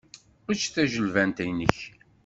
Ečč tajilbant-nnek.